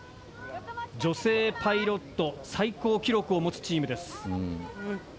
女性パイロット最高記録を持つチームです。